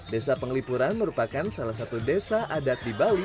desa penglipuran merupakan salah satu desa adat di bali